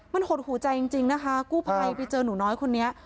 มันหดหูใจจริงนะคะกู้ภัยไปเจอหนูน้อยคนนี้